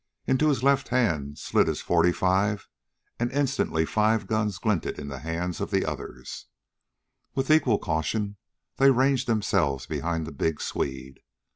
Into his left hand slid his .45 and instantly five guns glinted in the hands of the others. With equal caution they ranged themselves behind the big Swede.